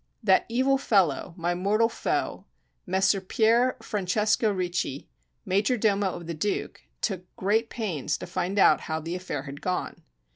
That evil fellow, my mortal foe, Messer Pier Francesco Ricci, major domo of the Duke, took great pains to find out how the affair had gone.